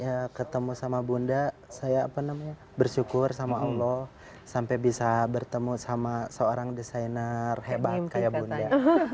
ya ketemu sama bunda saya bersyukur sama allah sampai bisa bertemu sama seorang desainer hebat kayak bunda